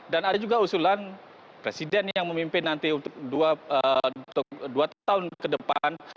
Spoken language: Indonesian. ada juga usulan presiden yang memimpin nanti untuk dua tahun ke depan